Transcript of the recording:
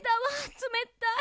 つめたい。